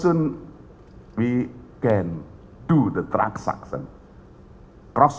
segera saja kami bisa melakukan transaksi